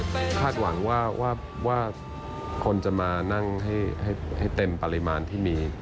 ถามความหวังว่าคนจะมานั่งให้เต็มปริมาณที่มีให้นะครับ